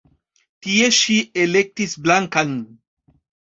Tie ŝi elektis Blankan.